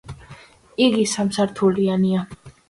იგი სამ სართულიანია.